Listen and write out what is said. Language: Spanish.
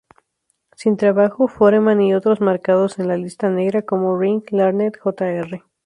Sin trabajo, Foreman y otros marcados en la lista negra como Ring Lardner, Jr.